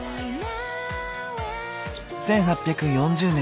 １８４０年